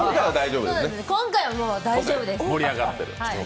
今回はもう、大丈夫です。